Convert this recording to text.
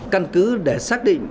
căn cứ để xác định